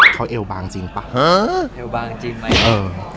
เขาเอวบางจริงป่ะเอวบางจริงไหมเออ